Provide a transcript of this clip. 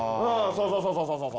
そうそうそうそう。